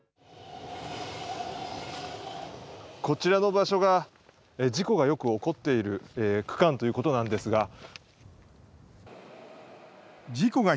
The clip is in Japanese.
こちらの場所が、事故がよく起こっている区間ということなんですが。